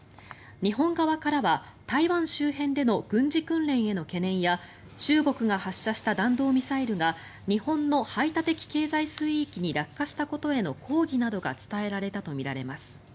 日本側からは台湾周辺での軍事訓練への懸念や中国が発射した弾道ミサイルが日本の排他的経済水域に落下したことへの抗議などが伝えられたとみられます。